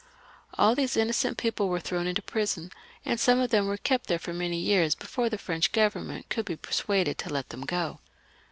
All these innocent people were thrown into prison, and some of them were kept there for many years before the French Govern ment could be persuaded to let them go.